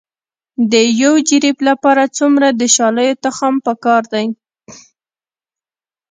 د یو جریب لپاره څومره د شالیو تخم پکار دی؟